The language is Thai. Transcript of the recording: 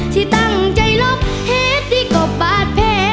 สิตั้งใจลบเหตุที่ก็ปาดแพ้